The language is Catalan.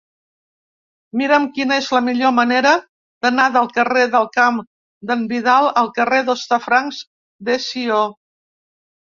Mira'm quina és la millor manera d'anar del carrer del Camp d'en Vidal al carrer d'Hostafrancs de Sió.